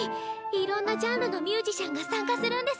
いろんなジャンルのミュージシャンが参加するんですよ。